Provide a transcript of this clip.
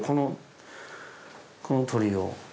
この鳥を。